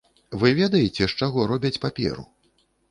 Вы ведаеце, з чаго робяць паперу?